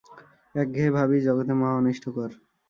একঘেয়ে ভাবই জগতে মহা অনিষ্টকর।